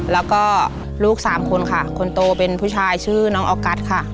แล้วก็ลูกสามคนค่ะคนโตเป็นผู้ชายชื่อน้องออกัสค่ะ